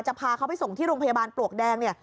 จะพาเขาไปส่งที่โรงพยาบาลปลวกแดง